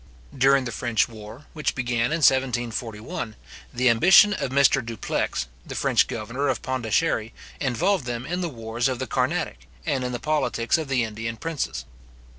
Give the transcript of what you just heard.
During the French war, which began in 1741, the ambition of Mr. Dupleix, the French governor of Pondicherry, involved them in the wars of the Carnatic, and in the politics of the Indian princes.